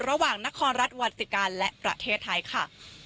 ระหว่างนครรัฐวาสิกาและประเทศไทยค่ะ